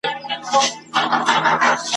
زه به بختور یم `